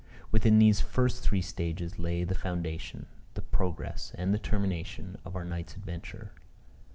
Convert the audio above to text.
Within these first three stages lay the foundation, the progress, and termination of our night's adventure.